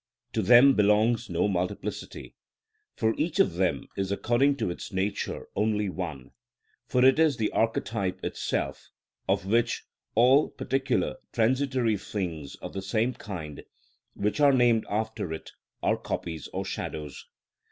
To them belongs no multiplicity; for each of them is according to its nature only one, for it is the archetype itself, of which all particular transitory things of the same kind which are named after it are copies or shadows.